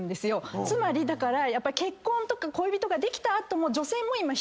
つまりだから結婚とか恋人ができた後も。